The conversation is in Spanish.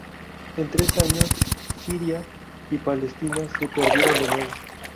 En tres años, Siria y Palestina se perdieron de nuevo.